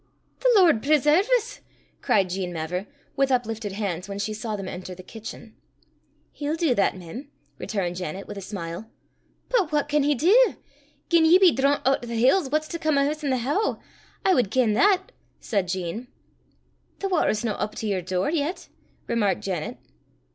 "The Lord preserve 's!" cried Jean Mavor, with uplifted hands, when she saw them enter the kitchen. "He'll dee that, mem," returned Janet, with a smile. "But what can he dee? Gien ye be droont oot o' the hills, what's to come o' his i' the how? I wad ken that!" said Jean. "The watter's no up to yer door yet," remarked Janet.